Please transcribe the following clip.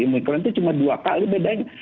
imuniternya cuma dua kali bedanya